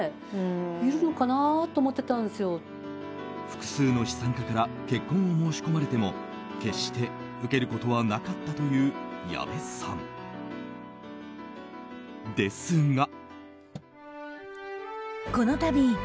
複数の資産家から結婚を申し込まれても決して受けることはなかったという矢部さん。ですが。